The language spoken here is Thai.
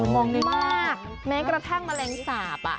มองดีมากแม้กระทั่งแมลงสาป